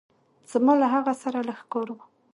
زما له هغه سره لږ کار وه.